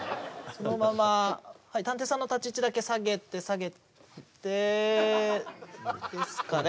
そのまま探偵さんの立ち位置だけ下げて下げてですかね